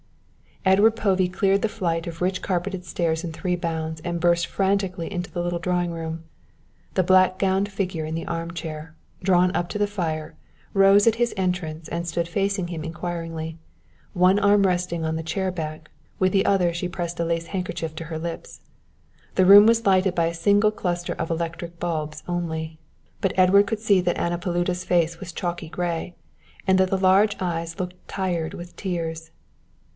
Edward Povey cleared the flight of richly carpeted stairs in three bounds and burst frantically into the little drawing room. The black gowned figure in the arm chair, drawn up to the fire, rose at his entrance and stood facing him inquiringly; one arm resting on the chair back, with the other she pressed a lace handkerchief to her lips. The room was lighted by a single cluster of electric bulbs only, but Edward could see that Anna Paluda's face was chalky grey, and that the large eyes looked tired with tears.